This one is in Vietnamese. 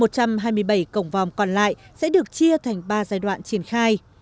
một trăm hai mươi bảy cổng vòng còn lại sẽ được chia thành ba giai đoạn triển khai